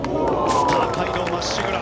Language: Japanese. スター街道まっしぐら。